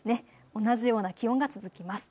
同じような気温が続きます。